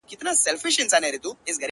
زما هغـه ســـترگو ته ودريـــږي.